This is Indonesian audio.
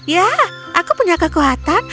ya aku punya kekuatan